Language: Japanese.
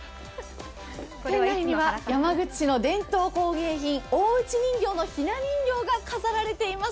店内には山口市の伝統工芸品、大内人形のひな人形が飾られています。